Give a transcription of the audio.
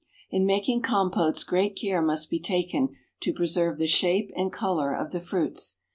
In making compotes great care must be taken to preserve the shape and color of the fruits.